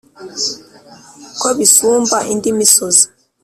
ko bisumba indi misozi,